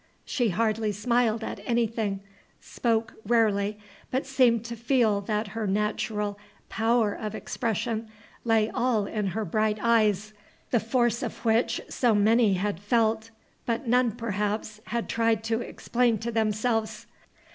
She hardly smiled at anything, spoke rarely, but seemed to feel that her natural power of expression lay all in her bright eyes, the force of which so many had felt, but none perhaps had tried to explain to themselves.